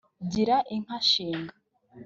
Gira inka Shinga